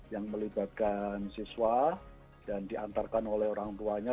yang melibatkan siswa dan diantarkan oleh orang tuanya